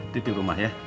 titik rumah ya